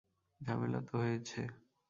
ঝামেলা তো হয়েছে।